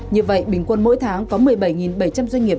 như vậy bình quân mỗi tháng có một mươi bảy bảy trăm linh doanh nghiệp